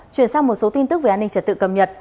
chuyển sang một số tin tức về an ninh trật tự cầm nhật